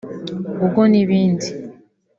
Google n’ibindi